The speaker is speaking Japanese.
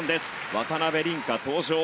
渡辺倫果、登場。